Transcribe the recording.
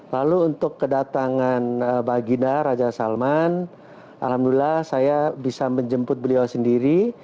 lalu untuk kedatangan bagina raja salman alhamdulillah saya bisa menjemput beliau sendiri